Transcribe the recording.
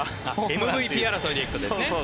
ＭＶＰ争いで行くとですね。